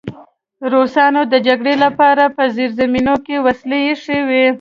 روسانو د جګړې لپاره په زیرزمینیو کې وسلې ایښې وې